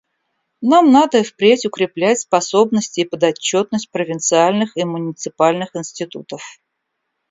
Нам надо и впредь укреплять способности и подотчетность провинциальных и муниципальных институтов.